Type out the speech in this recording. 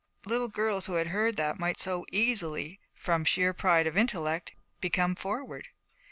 Little girls who had heard that might so easily, from sheer pride of intellect, become 'forward.'